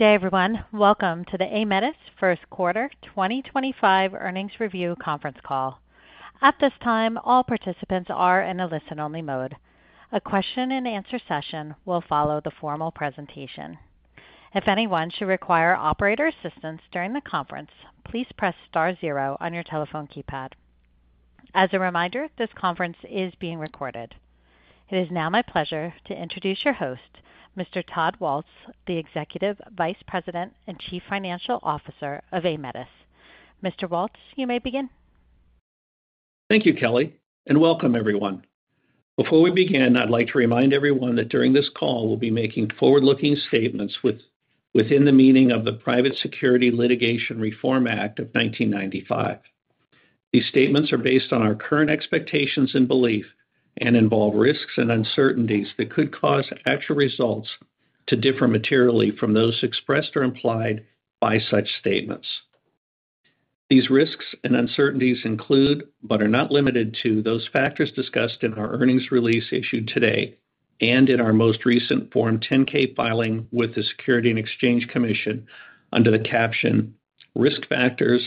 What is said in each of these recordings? Good day, everyone. Welcome to the Aemetis First Quarter 2025 Earnings Review Conference Call. At this time, all participants are in a listen-only mode. A question-and-answer session will follow the formal presentation. If anyone should require operator assistance during the conference, please press star zero on your telephone keypad. As a reminder, this conference is being recorded. It is now my pleasure to introduce your host, Mr. Todd Waltz, the Executive Vice President and Chief Financial Officer of Aemetis. Mr. Waltz, you may begin. Thank you, Kelly, and welcome, everyone. Before we begin, I'd like to remind everyone that during this call, we'll be making forward-looking statements within the meaning of the Private Securities Litigation Reform Act of 1995. These statements are based on our current expectations and belief and involve risks and uncertainties that could cause actual results to differ materially from those expressed or implied by such statements. These risks and uncertainties include, but are not limited to, those factors discussed in our earnings release issued today and in our most recent Form 10-K filing with the Securities and Exchange Commission under the caption "Risk Factors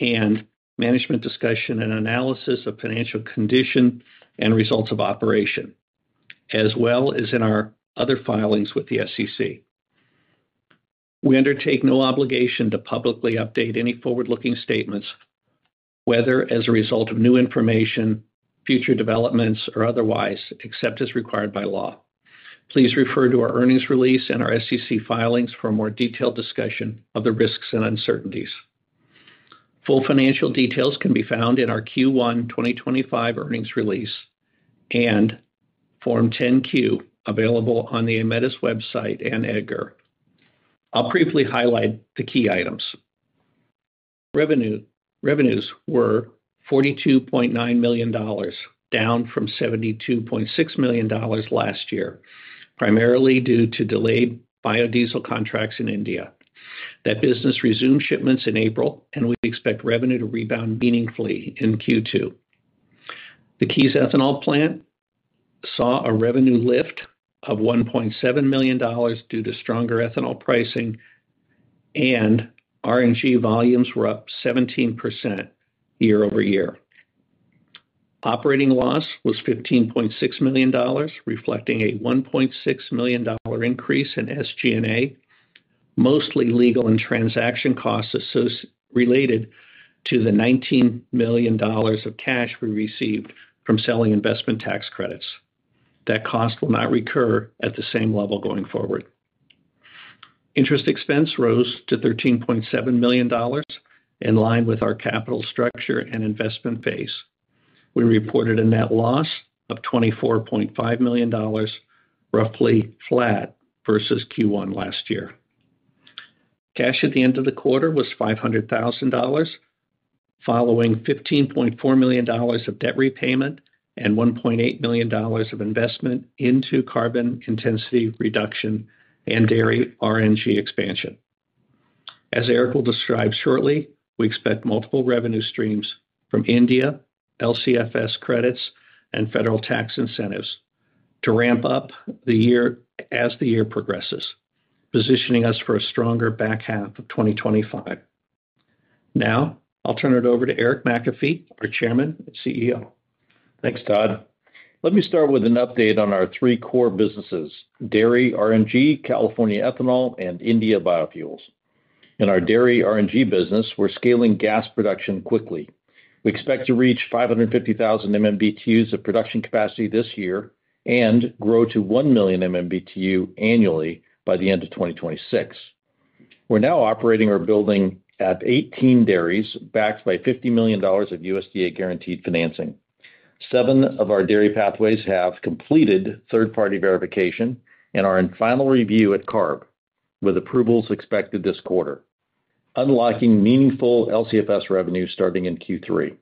and Management Discussion and Analysis of Financial Condition and Results of Operations," as well as in our other filings with the SEC. We undertake no obligation to publicly update any forward-looking statements, whether as a result of new information, future developments, or otherwise, except as required by law. Please refer to our earnings release and our SEC filings for a more detailed discussion of the risks and uncertainties. Full financial details can be found in our Q1 2025 earnings release and Form 10-Q available on the Aemetis website and EDGAR. I'll briefly highlight the key items. Revenues were $42.9 million, down from $72.6 million last year, primarily due to delayed biodiesel contracts in India. That business resumed shipments in April, and we expect revenue to rebound meaningfully in Q2. The Keyes ethanol plant saw a revenue lift of $1.7 million due to stronger ethanol pricing, and RNG volumes were up 17% year-over-year. Operating loss was $15.6 million, reflecting a $1.6 million increase in SG&A, mostly legal and transaction costs related to the $19 million of cash we received from selling investment tax credits. That cost will not recur at the same level going forward. Interest expense rose to $13.7 million, in line with our capital structure and investment phase. We reported a net loss of $24.5 million, roughly flat versus Q1 last year. Cash at the end of the quarter was $500,000, following $15.4 million of debt repayment and $1.8 million of investment into carbon intensity reduction and dairy RNG expansion. As Eric will describe shortly, we expect multiple revenue streams from India, LCFS credits, and federal tax incentives to ramp up as the year progresses, positioning us for a stronger back half of 2025. Now, I'll turn it over to Eric McAfee, our Chairman and CEO. Thanks, Todd. Let me start with an update on our three core businesses: dairy RNG, California ethanol, and India biofuels. In our dairy RNG business, we're scaling gas production quickly. We expect to reach 550,000 MMBtu of production capacity this year and grow to 1 million MMBtu annually by the end of 2026. We're now operating our building at 18 dairies, backed by $50 million of USDA-guaranteed financing. Seven of our dairy pathways have completed third-party verification and are in final review at CARB, with approvals expected this quarter, unlocking meaningful LCFS revenue starting in Q3.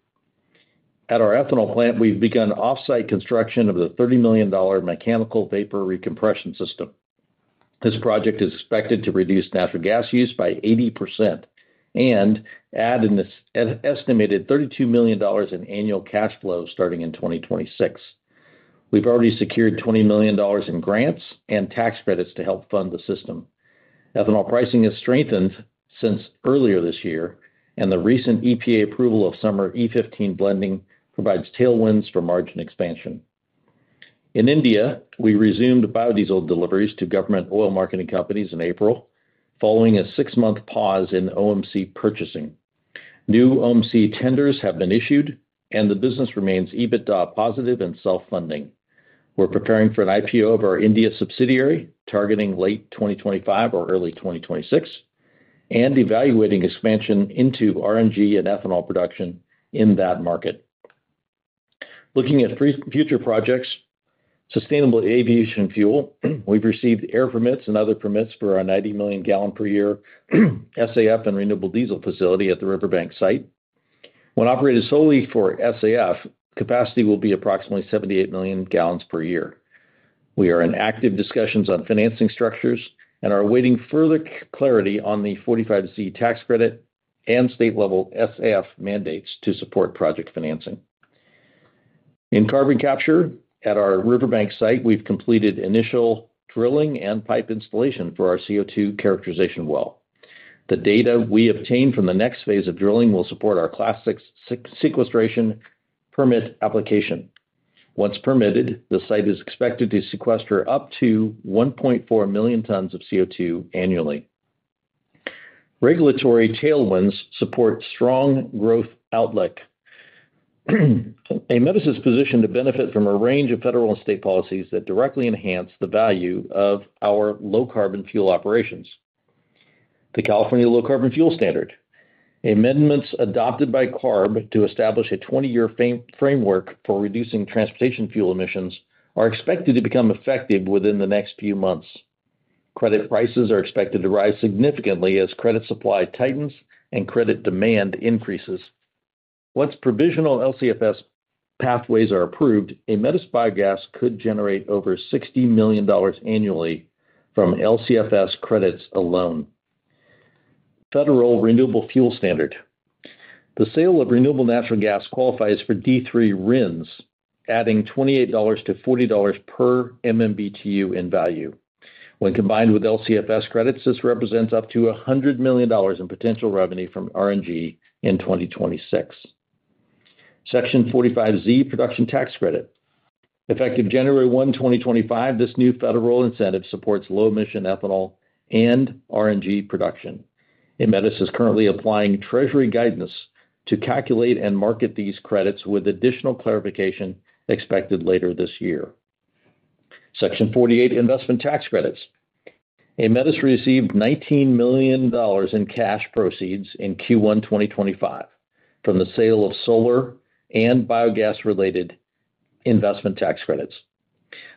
At our ethanol plant, we've begun off-site construction of the $30 million mechanical vapor recompression system. This project is expected to reduce natural gas use by 80% and add an estimated $32 million in annual cash flow starting in 2026. We've already secured $20 million in grants and tax credits to help fund the system. Ethanol pricing has strengthened since earlier this year, and the recent EPA approval of summer E15 blending provides tailwinds for margin expansion. In India, we resumed biodiesel deliveries to government oil marketing companies in April, following a six-month pause in OMC purchasing. New OMC tenders have been issued, and the business remains EBITDA positive and self-funding. We're preparing for an IPO of our India subsidiary, targeting late 2025 or early 2026, and evaluating expansion into RNG and ethanol production in that market. Looking at future projects, sustainable aviation fuel, we've received air permits and other permits for our 90 million gallon/year SAF and renewable diesel facility at the Riverbank site. When operated solely for SAF, capacity will be approximately 78 million gallons per year. We are in active discussions on financing structures and are awaiting further clarity on the 45Z tax credit and state-level SAF mandates to support project financing. In carbon capture at our Riverbank site, we've completed initial drilling and pipe installation for our CO2 characterization well. The data we obtain from the next phase of drilling will support our class six sequestration permit application. Once permitted, the site is expected to sequester up to 1.4 million tons of CO2 annually. Regulatory tailwinds support strong growth outlook. Aemetis is positioned to benefit from a range of federal and state policies that directly enhance the value of our low-carbon fuel operations: the California Low Carbon Fuel Standard. Amendments adopted by CARB to establish a 20-year framework for reducing transportation fuel emissions are expected to become effective within the next few months. Credit prices are expected to rise significantly as credit supply tightens and credit demand increases. Once provisional LCFS pathways are approved, Aemetis biogas could generate over $60 million annually from LCFS credits alone. Federal Renewable Fuel Standard. The sale of renewable natural gas qualifies for D3 RINs, adding $28-$40 per MMBtu in value. When combined with LCFS credits, this represents up to $100 million in potential revenue from RNG in 2026. Section 45Z Production Tax Credit. Effective January 1, 2025, this new federal incentive supports low-emission ethanol and RNG production. Aemetis is currently applying Treasury guidance to calculate and market these credits with additional clarification expected later this year. Section 48 Investment Tax Credits. Aemetis received $19 million in cash proceeds in Q1 2025 from the sale of solar and biogas-related investment tax credits.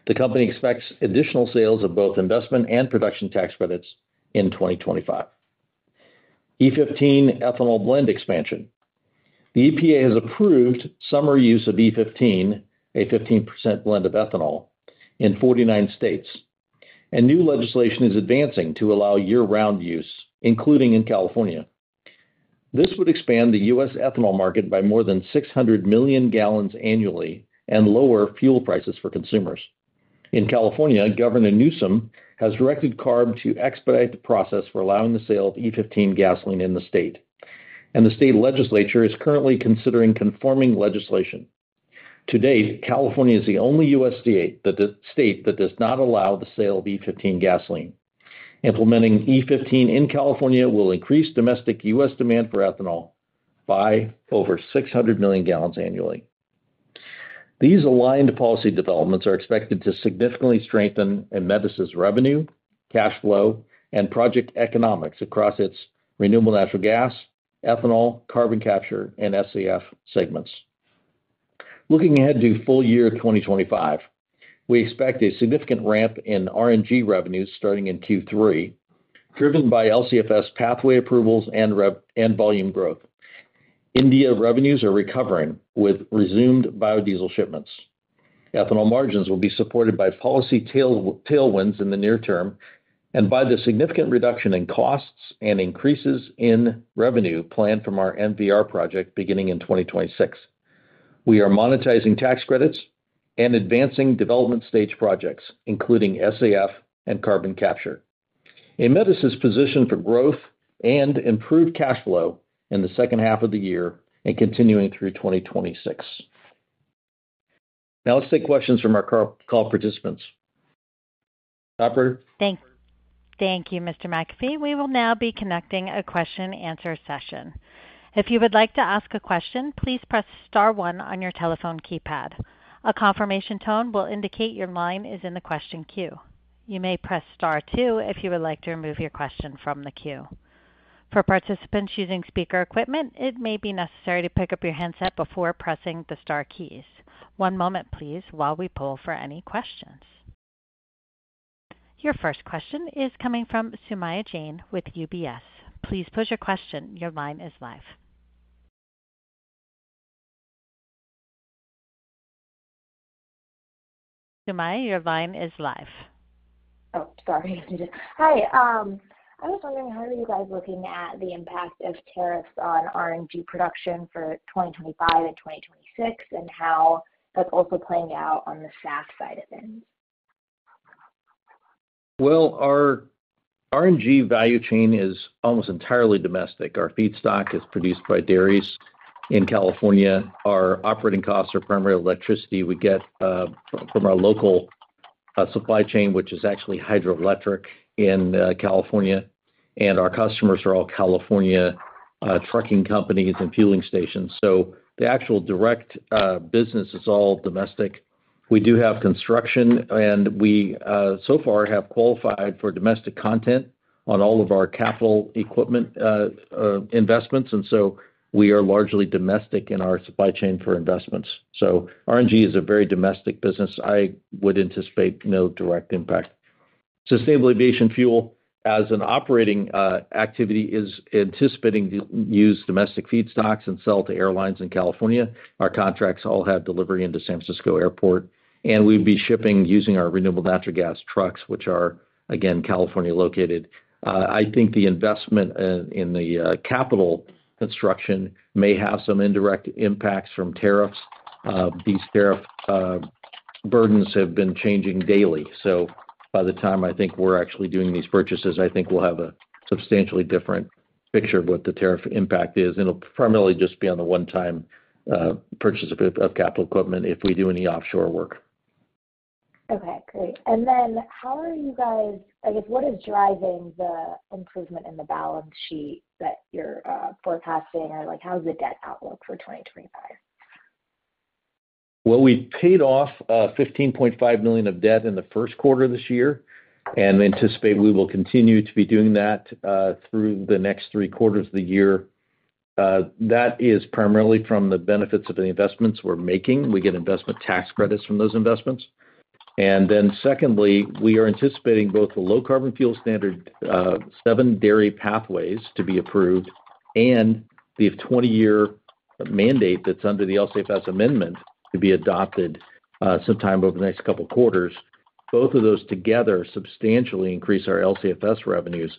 The company expects additional sales of both investment and production tax credits in 2025. E15 Ethanol Blend Expansion. The EPA has approved summer use of E15, a 15% blend of ethanol, in 49 states. New legislation is advancing to allow year-round use, including in California. This would expand the U.S. ethanol market by more than 600 million gallons annually and lower fuel prices for consumers. In California, Governor Newsom has directed CARB to expedite the process for allowing the sale of E15 gasoline in the state, and the state legislature is currently considering conforming legislation. To date, California is the only U.S. state that does not allow the sale of E15 gasoline. Implementing E15 in California will increase domestic U.S. demand for ethanol by over 600 million gallons annually. These aligned policy developments are expected to significantly strengthen Aemetis's revenue, cash flow, and project economics across its renewable natural gas, ethanol, carbon capture, and SAF segments. Looking ahead to full year 2025, we expect a significant ramp in RNG revenues starting in Q3, driven by LCFS pathway approvals and volume growth. India revenues are recovering with resumed biodiesel shipments. Ethanol margins will be supported by policy tailwinds in the near term and by the significant reduction in costs and increases in revenue planned from our MVR project beginning in 2026. We are monetizing tax credits and advancing development-stage projects, including SAF and carbon capture. Aemetis is positioned for growth and improved cash flow in the second half of the year and continuing through 2026. Now, let's take questions from our call participants. Operator. Thank you, Mr. McAfee. We will now be conducting a question-and-answer session. If you would like to ask a question, please press star one on your telephone keypad. A confirmation tone will indicate your line is in the question queue. You may press star two if you would like to remove your question from the queue. For participants using speaker equipment, it may be necessary to pick up your handset before pressing the star keys. One moment, please, while we pull for any questions. Your first question is coming from Sumaya Jane with UBS. Please put your question. Your line is live. Sumaya, your line is live. Oh, sorry. Hi. I was wondering, how are you guys looking at the impact of tariffs on RNG production for 2025 and 2026, and how that's also playing out on the SAF side of things? Our R&G value chain is almost entirely domestic. Our feedstock is produced by dairies in California. Our operating costs are primarily electricity we get from our local supply chain, which is actually hydroelectric in California. Our customers are all California trucking companies and fueling stations. The actual direct business is all domestic. We do have construction, and we so far have qualified for domestic content on all of our capital equipment investments. We are largely domestic in our supply chain for investments. R&G is a very domestic business. I would anticipate no direct impact. Sustainable aviation fuel as an operating activity is anticipating to use domestic feedstocks and sell to airlines in California. Our contracts all have delivery into San Francisco Airport, and we'd be shipping using our renewable natural gas trucks, which are, again, California located. I think the investment in the capital construction may have some indirect impacts from tariffs. These tariff burdens have been changing daily. By the time I think we're actually doing these purchases, I think we'll have a substantially different picture of what the tariff impact is. It'll primarily just be on the one-time purchase of capital equipment if we do any offshore work. Okay. Great. How are you guys, I guess, what is driving the improvement in the balance sheet that you're forecasting? How's the debt outlook for 2025? We paid off $15.5 million of debt in the first quarter of this year, and we anticipate we will continue to be doing that through the next three quarters of the year. That is primarily from the benefits of the investments we're making. We get investment tax credits from those investments. Secondly, we are anticipating both the Low Carbon Fuel Standard, seven dairy pathways to be approved, and the 20-year mandate that is under the LCFS amendment to be adopted sometime over the next couple of quarters. Both of those together substantially increase our LCFS revenues,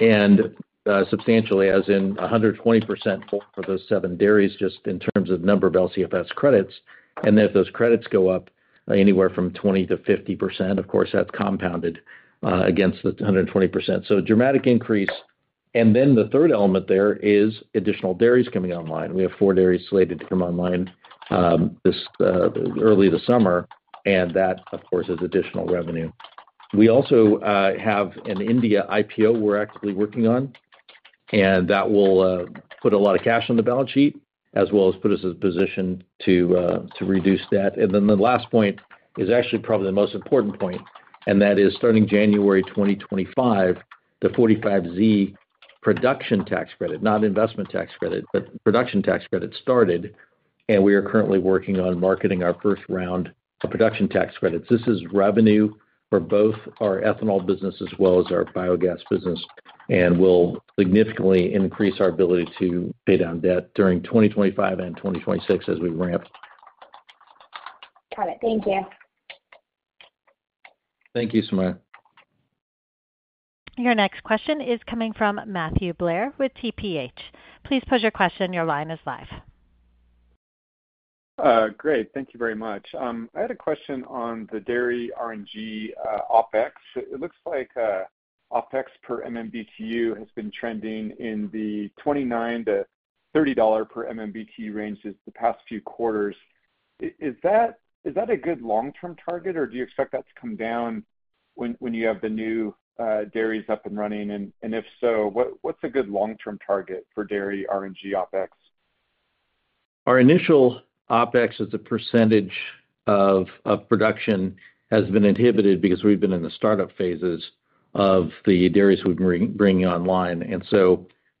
and substantially, as in 120% for those seven dairies, just in terms of number of LCFS credits. If those credits go up anywhere from 20%-50%, of course, that is compounded against the 120%. A dramatic increase. The third element there is additional dairies coming online. We have four dairies slated to come online early this summer, and that, of course, is additional revenue. We also have an India IPO we're actively working on, and that will put a lot of cash on the balance sheet, as well as put us in a position to reduce debt. The last point is actually probably the most important point, and that is starting January 2025, the 45Z production tax credit, not investment tax credit, but production tax credit started. We are currently working on marketing our first round of production tax credits. This is revenue for both our ethanol business as well as our biogas business, and will significantly increase our ability to pay down debt during 2025 and 2026 as we ramp. Got it. Thank you. Thank you, Sumaya. Your next question is coming from Matthew Blair with TPH. Please put your question. Your line is live. Great. Thank you very much. I had a question on the dairy RNG OpEx. It looks like OpEx per MMBtu has been trending in the $29-$30 per MMBtu ranges the past few quarters. Is that a good long-term target, or do you expect that to come down when you have the new dairies up and running? If so, what's a good long-term target for dairy RNG OpEx? Our initial OpEx as a percentage of production has been inhibited because we've been in the startup phases of the dairies we've been bringing online.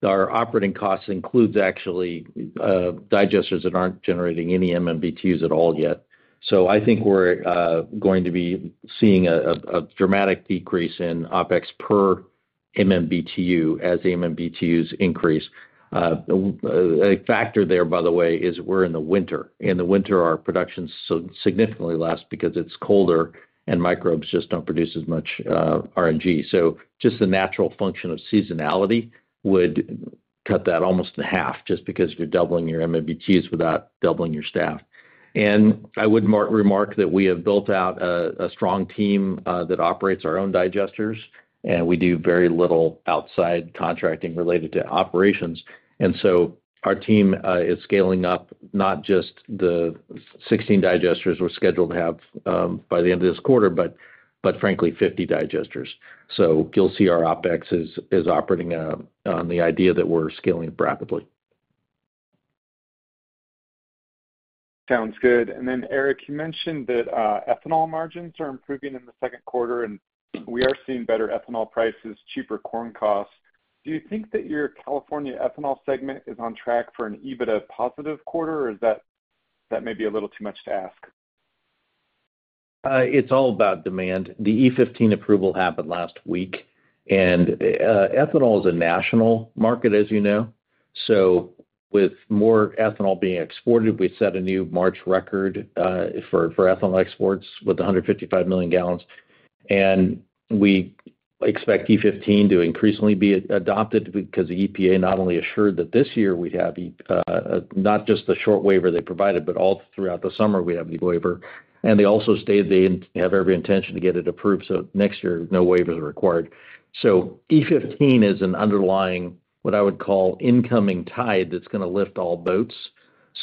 Our operating costs include actually digesters that aren't generating any MMBtus at all yet. I think we're going to be seeing a dramatic decrease in OpEx per MMBtu as MMBtus increase. A factor there, by the way, is we're in the winter. In the winter, our production is significantly less because it's colder and microbes just don't produce as much RNG. Just the natural function of seasonality would cut that almost in half just because you're doubling your MMBtus without doubling your staff. I would remark that we have built out a strong team that operates our own digesters, and we do very little outside contracting related to operations. Our team is scaling up not just the 16 digesters we're scheduled to have by the end of this quarter, but frankly, 50 digesters. You'll see our OpEx is operating on the idea that we're scaling up rapidly. Sounds good. Eric, you mentioned that ethanol margins are improving in the second quarter, and we are seeing better ethanol prices, cheaper corn costs. Do you think that your California ethanol segment is on track for an EBITDA positive quarter, or is that maybe a little too much to ask? It's all about demand. The E15 approval happened last week, and ethanol is a national market, as you know. With more ethanol being exported, we set a new March record for ethanol exports with 155 million gallons. We expect E15 to increasingly be adopted because the EPA not only assured that this year we'd have not just the short waiver they provided, but all throughout the summer we'd have the waiver. They also stated they have every intention to get it approved. Next year, no waivers are required. E15 is an underlying, what I would call, incoming tide that's going to lift all boats.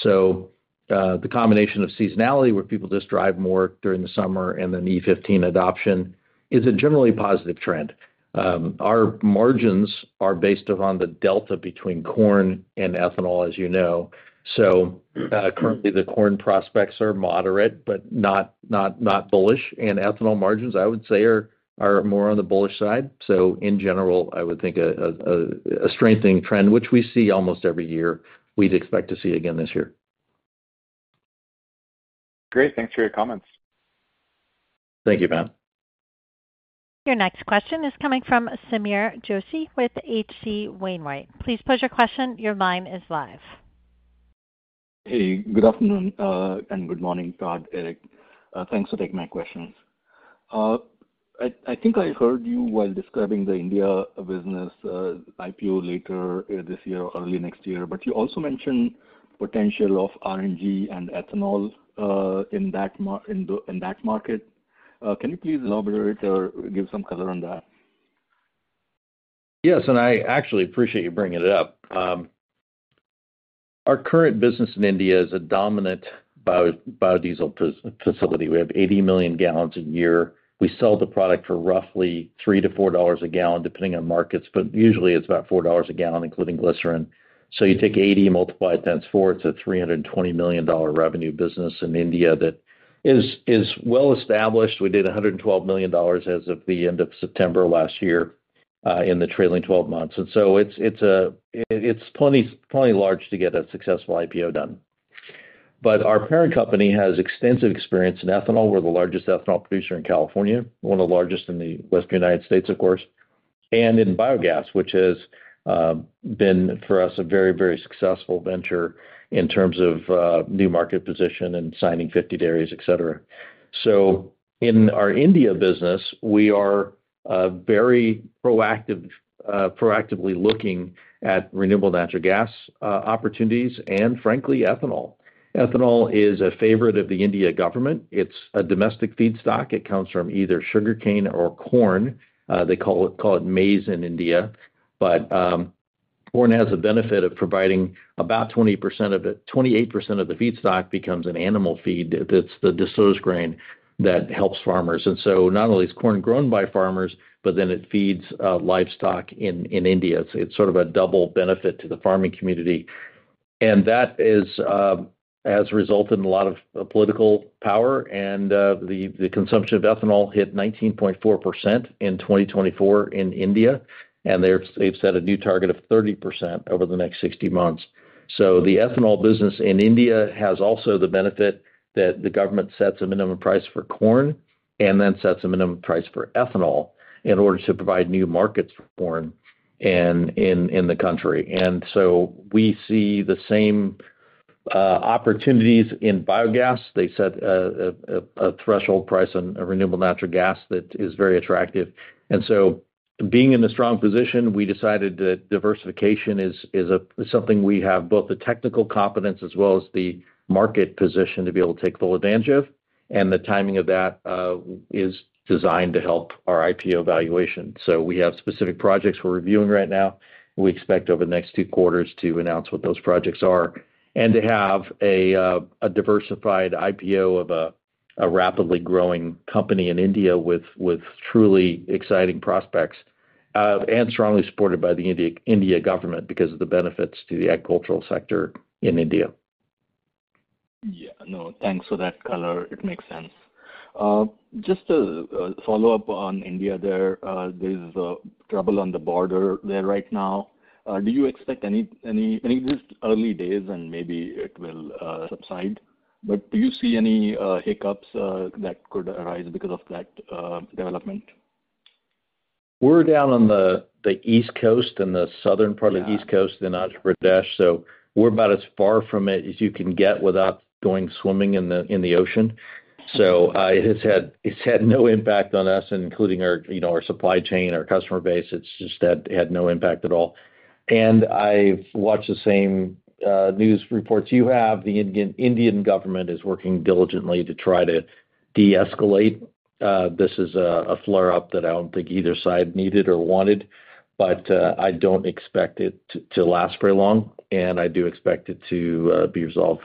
The combination of seasonality where people just drive more during the summer and then E15 adoption is a generally positive trend. Our margins are based upon the delta between corn and ethanol, as you know. Currently, the corn prospects are moderate, but not bullish. Ethanol margins, I would say, are more on the bullish side. In general, I would think a strengthening trend, which we see almost every year. We'd expect to see again this year. Great. Thanks for your comments. Thank you, Matt. Your next question is coming from Saeerir Joshi with H.C. Wainwright. Please put your question. Your line is live. Hey, good afternoon and good morning, Todd, Eric. Thanks for taking my questions. I think I heard you while describing the India business IPO later this year or early next year, but you also mentioned potential of RNG and ethanol in that market. Can you please elaborate or give some color on that? Yes. I actually appreciate you bringing it up. Our current business in India is a dominant biodiesel facility. We have 80 million gallons a year. We sell the product for roughly $3-$4 a gallon, depending on markets, but usually it is about $4 a gallon, including glycerin. You take 80, multiply it times 4, it is a $320 million revenue business in India that is well established. We did $112 million as of the end of September last year in the trailing 12 months. It is plenty large to get a successful IPO done. Our parent company has extensive experience in ethanol. We are the largest ethanol producer in California, one of the largest in the Western United States, of course, and in biogas, which has been for us a very, very successful venture in terms of new market position and signing 50 dairies, etc. In our India business, we are very proactively looking at renewable natural gas opportunities and, frankly, ethanol. Ethanol is a favorite of the India government. It's a domestic feedstock. It comes from either sugarcane or corn. They call it maize in India. Corn has the benefit of providing about 20%. 28% of the feedstock becomes an animal feed. That's the disposed grain that helps farmers. Not only is corn grown by farmers, but then it feeds livestock in India. It's sort of a double benefit to the farming community. That has resulted in a lot of political power. The consumption of ethanol hit 19.4% in 2024 in India. They've set a new target of 30% over the next 60 months. The ethanol business in India has also the benefit that the government sets a minimum price for corn and then sets a minimum price for ethanol in order to provide new markets for corn in the country. We see the same opportunities in biogas. They set a threshold price on renewable natural gas that is very attractive. Being in a strong position, we decided that diversification is something we have both the technical competence as well as the market position to be able to take full advantage of. The timing of that is designed to help our IPO evaluation. We have specific projects we're reviewing right now. We expect over the next two quarters to announce what those projects are and to have a diversified IPO of a rapidly growing company in India with truly exciting prospects and strongly supported by the India government because of the benefits to the agricultural sector in India. Yeah. No, thanks for that color. It makes sense. Just a follow-up on India there. There's trouble on the border there right now. Do you expect any, just early days, and maybe it will subside? Do you see any hiccups that could arise because of that development? We're down on the East Coast and the southern part of the East Coast in Andhra Pradesh, so we're about as far from it as you can get without going swimming in the ocean. It has had no impact on us, including our supply chain, our customer base. It just had no impact at all. I have watched the same news reports you have. The Indian government is working diligently to try to de-escalate. This is a flare-up that I do not think either side needed or wanted, but I do not expect it to last very long. I do expect it to be resolved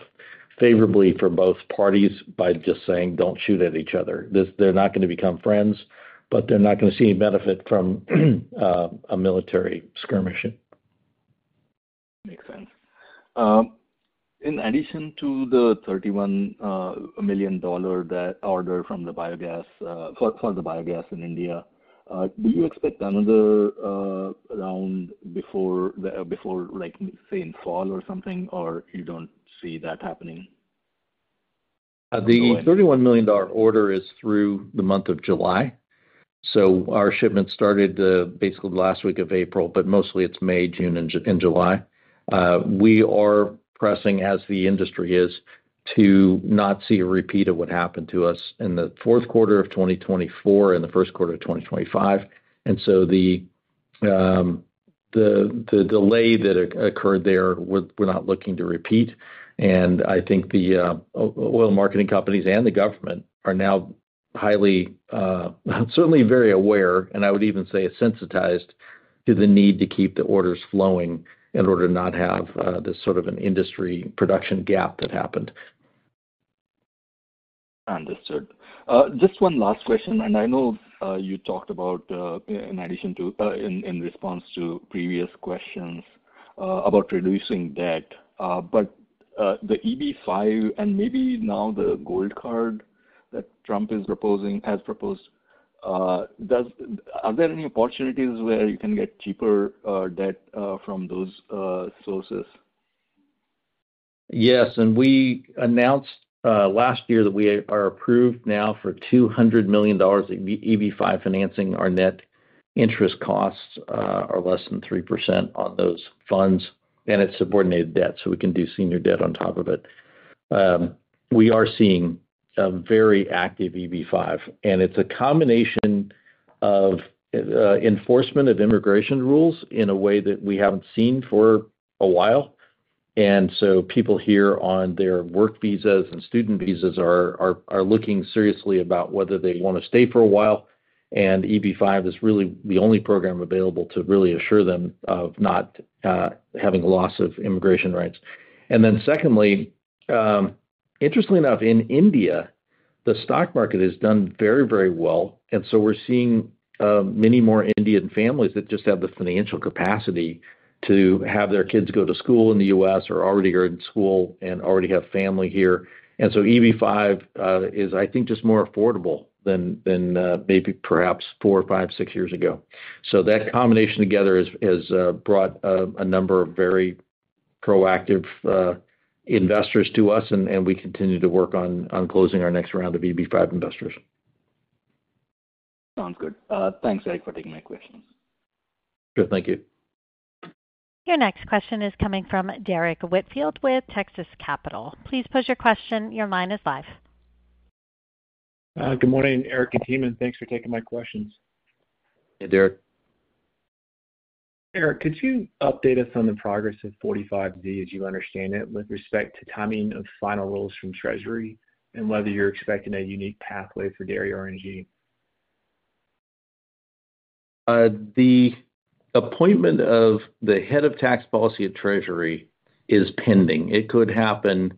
favorably for both parties by just saying, "Don't shoot at each other." They are not going to become friends, but they are not going to see any benefit from a military skirmishing. Makes sense. In addition to the $31 million order for the biogas in India, do you expect another round before, say, in fall or something, or you do not see that happening? The $31 million order is through the month of July. Our shipment started basically the last week of April, but mostly it is May, June, and July. We are pressing, as the industry is, to not see a repeat of what happened to us in the fourth quarter of 2024 and the first quarter of 2025. The delay that occurred there, we are not looking to repeat. I think the oil marketing companies and the government are now highly, certainly very aware, and I would even say sensitized to the need to keep the orders flowing in order to not have this sort of an industry production gap that happened. Understood. Just one last question. I know you talked about, in addition to, in response to previous questions about reducing debt, but the EB-5 and maybe now the Gold Card that Trump has proposed, are there any opportunities where you can get cheaper debt from those sources? Yes. We announced last year that we are approved now for $200 million EB-5 financing. Our net interest costs are less than 3% on those funds, and it is subordinated debt, so we can do senior debt on top of it. We are seeing a very active EB-5, and it is a combination of enforcement of immigration rules in a way that we have not seen for a while. People here on their work visas and student visas are looking seriously about whether they want to stay for a while. EB-5 is really the only program available to really assure them of not having a loss of immigration rights. Secondly, interestingly enough, in India, the stock market has done very, very well. We're seeing many more Indian families that just have the financial capacity to have their kids go to school in the U.S. or already are in school and already have family here. EB-5 is, I think, just more affordable than maybe perhaps four, five, six years ago. That combination together has brought a number of very proactive investors to us, and we continue to work on closing our next round of EB-5 investors. Sounds good. Thanks, Eric, for taking my questions. Sure. Thank you. Your next question is coming from Derrick Whitfield with Texas Capital. Please put your question. Your line is live. Good morning, Eric McAfee. Thanks for taking my questions. Hey, Derrickk. Eric, could you update us on the progress of 45Z, as you understand it, with respect to timing of final rules from Treasury and whether you're expecting a unique pathway for dairy RNG? The appointment of the head of tax policy at Treasury is pending. It could happen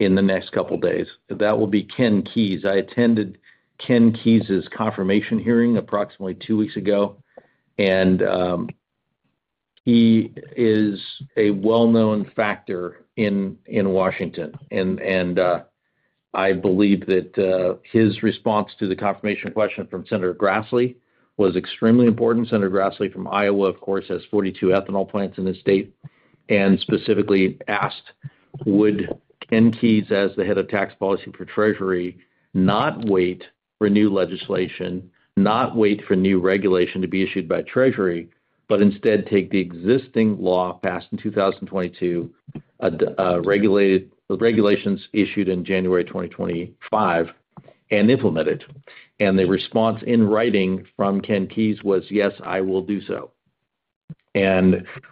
in the next couple of days. That will be Ken Keyes. I attended Ken Keyes's confirmation hearing approximately two weeks ago, and he is a well-known factor in Washington. I believe that his response to the confirmation question from Senator Grassley was extremely important. Senator Grassley from Iowa, of course, has 42 ethanol plants in the state and specifically asked, "Would Ken Keyes, as the head of tax policy for Treasury, not wait for new legislation, not wait for new regulation to be issued by Treasury, but instead take the existing law passed in 2022, regulations issued in January 2025 and implement it?" The response in writing from Ken Keyes was, "Yes, I will do so."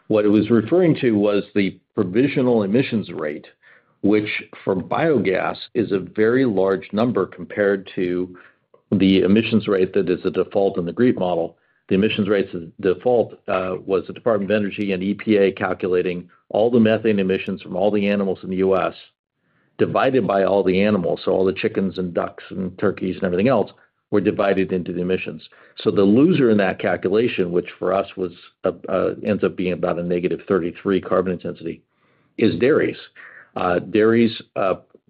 What it was referring to was the provisional emissions rate, which for biogas is a very large number compared to the emissions rate that is a default in the Greek model. The emissions rates of default was the Department of Energy and EPA calculating all the methane emissions from all the animals in the U.S. divided by all the animals. All the chickens and ducks and turkeys and everything else were divided into the emissions. The loser in that calculation, which for us ends up being about a -33 carbon intensity, is dairies. Dairies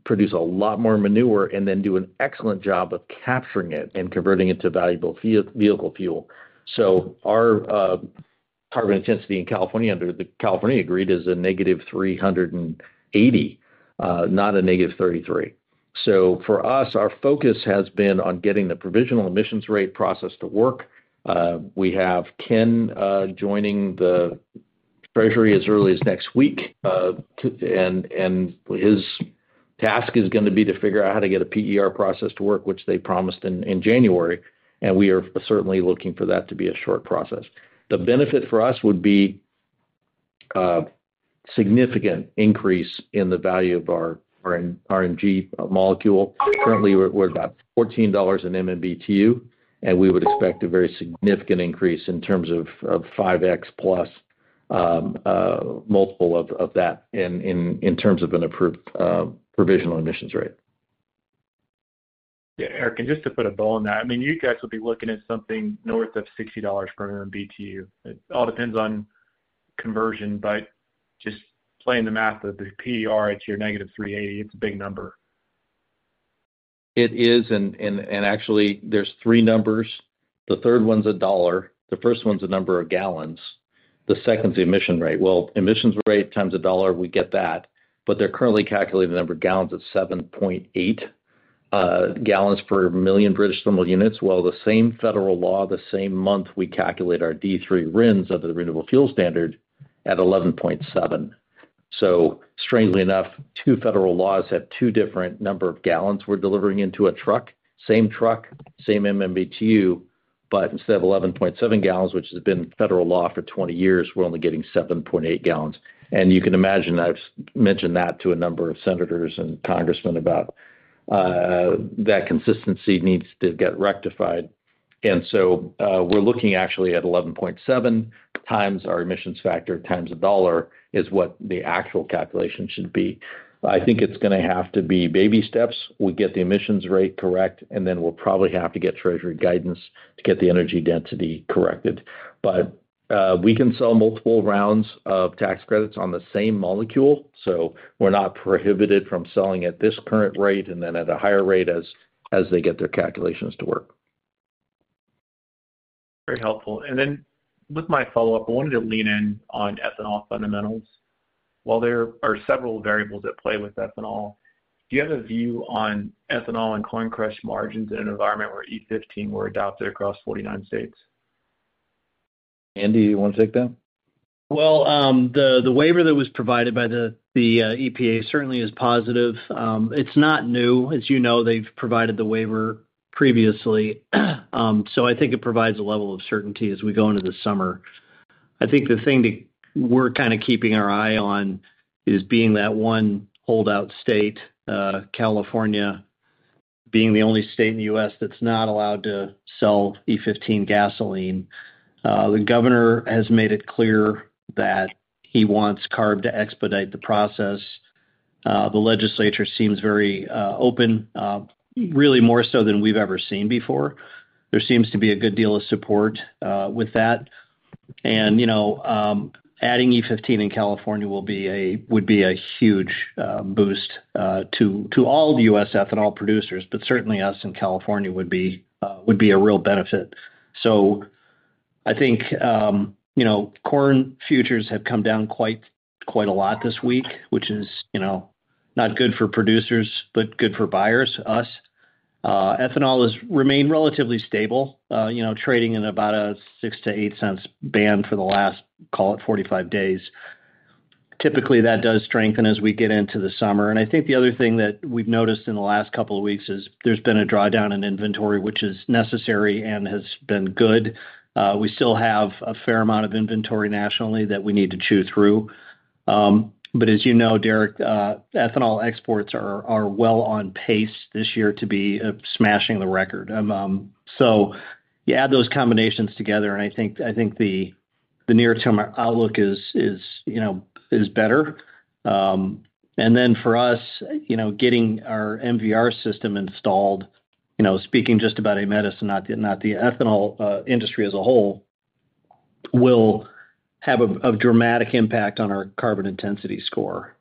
produce a lot more manure and then do an excellent job of capturing it and converting it to valuable vehicle fuel. Our carbon intensity in California under the California grid is a -380, not a -33. For us, our focus has been on getting the provisional emissions rate process to work. We have Ken joining the Treasury as early as next week, and his task is going to be to figure out how to get a PER process to work, which they promised in January. We are certainly looking for that to be a short process. The benefit for us would be a significant increase in the value of our RNG molecule. Currently, we're about $14 an MMBtu, and we would expect a very significant increase in terms of 5x+ multiple of that in terms of an approved provisional emissions rate. Yeah. Eric, and just to put a bow on that, I mean, you guys would be looking at something north of $60 per MMBtu. It all depends on conversion, but just playing the math of the PER, it's your -380. It's a big number. It is. Actually, there are three numbers. The third one is a dollar. The first one is a number of gallons. The second is the emission rate. Emissions rate times a dollar, we get that. They are currently calculating the number of gallons at 7.8 gallons per million British thermal units. The same federal law, the same month, we calculate our D3 RINs of the Renewable Fuel Standard at 11.7. Strangely enough, two federal laws have two different numbers of gallons we are delivering into a truck, same truck, same MMBtu, but instead of 11.7 gallons, which has been federal law for 20 years, we are only getting 7.8 gallons. You can imagine I have mentioned that to a number of senators and congressmen, that consistency needs to get rectified. We are looking actually at 11.7 times our emissions factor times a dollar is what the actual calculation should be. I think it's going to have to be baby steps. We get the emissions rate correct, and then we'll probably have to get Treasury guidance to get the energy density corrected. We can sell multiple rounds of tax credits on the same molecule, so we're not prohibited from selling at this current rate and then at a higher rate as they get their calculations to work. Very helpful. With my follow-up, I wanted to lean in on ethanol fundamentals. While there are several variables at play with ethanol, do you have a view on ethanol and corn crush margins in an environment where E15 were adopted across 49 states? Andy, you want to take that? The waiver that was provided by the EPA certainly is positive. It's not new. As you know, they've provided the waiver previously. I think it provides a level of certainty as we go into the summer. I think the thing we're kind of keeping our eye on is being that one holdout state, California, being the only state in the U.S. that's not allowed to sell E15 gasoline. The governor has made it clear that he wants CARB to expedite the process. The legislature seems very open, really more so than we've ever seen before. There seems to be a good deal of support with that. Adding E15 in California would be a huge boost to all the U.S. ethanol producers, but certainly us in California would be a real benefit. I think corn futures have come down quite a lot this week, which is not good for producers, but good for buyers, us. Ethanol has remained relatively stable, trading in about a $0.6-$0.8 band for the last, call it, 45 days. Typically, that does strengthen as we get into the summer. I think the other thing that we've noticed in the last couple of weeks is there's been a drawdown in inventory, which is necessary and has been good. We still have a fair amount of inventory nationally that we need to chew through. As you know, Derrick, ethanol exports are well on pace this year to be smashing the record. You add those combinations together, and I think the near-term outlook is better. For us, getting our MVR system installed, speaking just about Aemetis, not the ethanol industry as a whole, will have a dramatic impact on our carbon intensity score.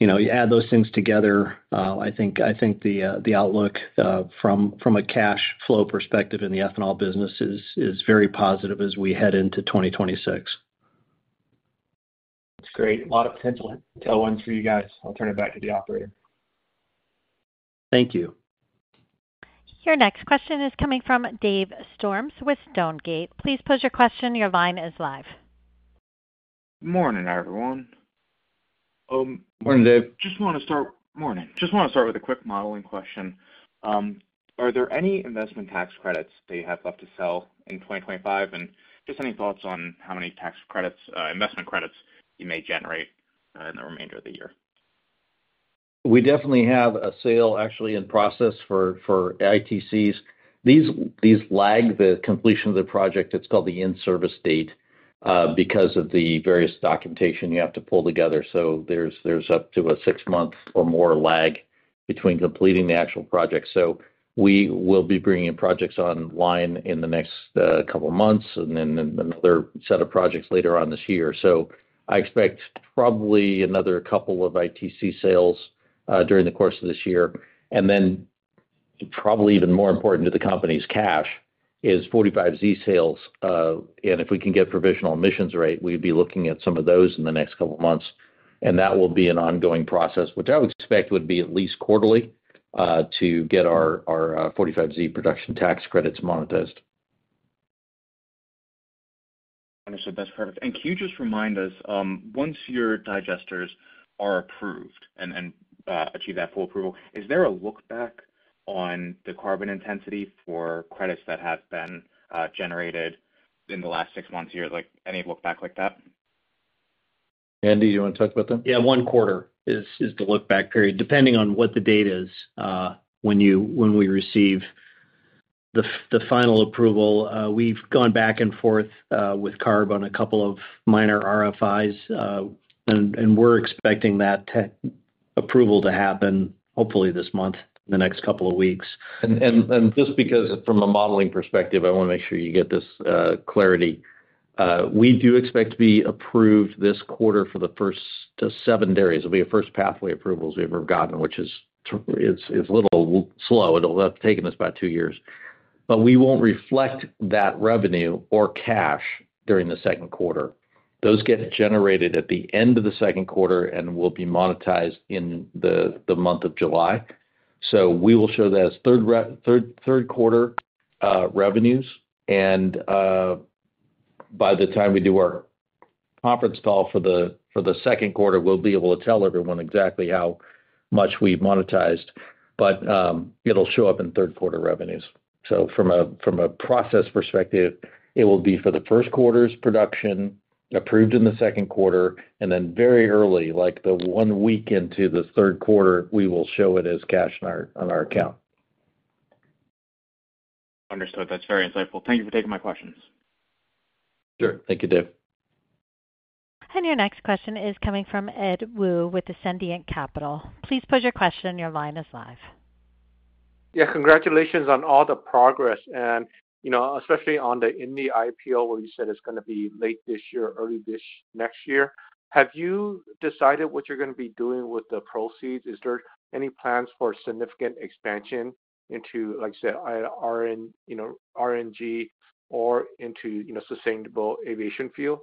You add those things together, I think the outlook from a cash flow perspective in the ethanol business is very positive as we head into 2026. That's great. A lot of potential to go on for you guys. I'll turn it back to the operator. Thank you. Your next question is coming from Dave Storms with Stonegate. Please pose your question. Your line is live. Morning, everyone. Morning, Dave. Just want to start with a quick modeling question. Are there any investment tax credits that you have left to sell in 2025? Just any thoughts on how many tax credits, investment credits you may generate in the remainder of the year? We definitely have a sale actually in process for ITCs. These lag the completion of the project. It's called the in-service date because of the various documentation you have to pull together. There is up to a six-month or more lag between completing the actual project. We will be bringing projects online in the next couple of months and then another set of projects later on this year. I expect probably another couple of ITC sales during the course of this year. Probably even more important to the company's cash is 45Z sales. If we can get provisional emissions rate, we'd be looking at some of those in the next couple of months. That will be an ongoing process, which I would expect would be at least quarterly to get our 45Z production tax credits monetized. Understood. That's perfect. Can you just remind us, once your digesters are approved and achieve that full approval, is there a lookback on the carbon intensity for credits that have been generated in the last six months, a year? Any lookback like that? Andy, do you want to talk about that? Yeah. One quarter is the lookback period, depending on what the date is when we receive the final approval. We've gone back and forth with CARB on a couple of minor RFIs, and we're expecting that approval to happen, hopefully, this month, the next couple of weeks. Just because from a modeling perspective, I want to make sure you get this clarity. We do expect to be approved this quarter for the first seven dairies. It'll be our first pathway approvals we've ever gotten, which is a little slow. It'll have taken us about two years. We won't reflect that revenue or cash during the second quarter. Those get generated at the end of the second quarter and will be monetized in the month of July. We will show that as third-quarter revenues. By the time we do our conference call for the second quarter, we'll be able to tell everyone exactly how much we've monetized. It'll show up in third-quarter revenues. From a process perspective, it will be for the first quarter's production approved in the second quarter. Very early, like one week into the third quarter, we will show it as cash on our account. Understood. That's very insightful. Thank you for taking my questions. Sure. Thank you, Derrick. Your next question is coming from Ed Woo with Ascendiant Capital. Please pose your question. Your line is live. Yeah. Congratulations on all the progress, and especially on the India IPO, where you said it's going to be late this year, early next year. Have you decided what you're going to be doing with the proceeds? Is there any plans for significant expansion into, like you said, RNG or into sustainable aviation fuel?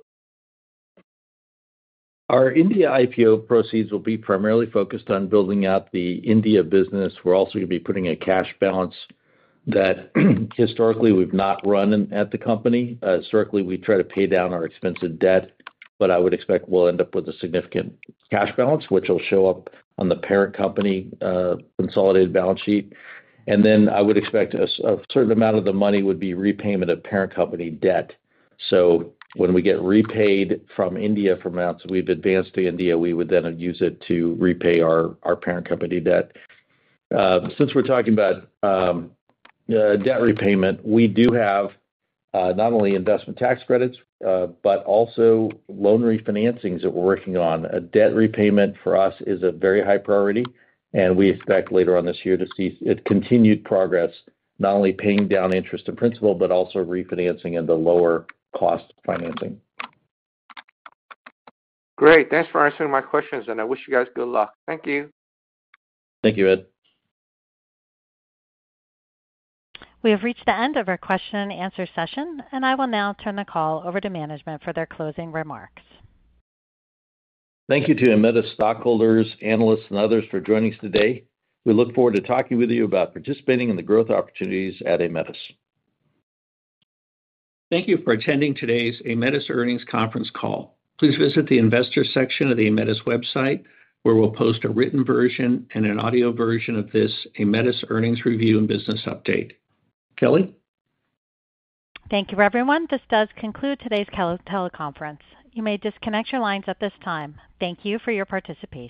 Our India IPO proceeds will be primarily focused on building out the India business. We're also going to be putting a cash balance that historically we've not run at the company. Historically, we try to pay down our expensive debt, but I would expect we'll end up with a significant cash balance, which will show up on the parent company consolidated balance sheet. I would expect a certain amount of the money would be repayment of parent company debt. When we get repaid from India, from amounts we've advanced to India, we would then use it to repay our parent company debt. Since we're talking about debt repayment, we do have not only investment tax credits, but also loan refinancings that we're working on. Debt repayment for us is a very high priority, and we expect later on this year to see continued progress, not only paying down interest and principal, but also refinancing and the lower-cost financing. Great. Thanks for answering my questions, and I wish you guys good luck. Thank you. Thank you, Ed. We have reached the end of our question-and-answer session, and I will now turn the call over to management for their closing remarks. Thank you to Aemetis stockholders, analysts, and others for joining us today. We look forward to talking with you about participating in the growth opportunities at Aemetis. Thank you for attending today's Aemetis earnings conference call. Please visit the investor section of the Aemetis website, where we'll post a written version and an audio version of this Aemetis earnings review and business update. Kelly? Thank you, everyone. This does conclude today's teleconference. You may disconnect your lines at this time. Thank you for your participation.